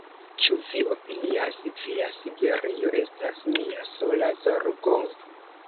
Ĉu vi opinias, via Siberio estas mia sola zorgo?